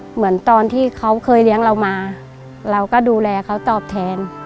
เหมือนตอนที่เขาเคยเลี้ยงเรามาเราก็ดูแลเขาตอบแทน